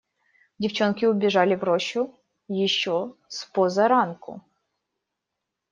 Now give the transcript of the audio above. Девчонки убежали в рощу еще спозаранку.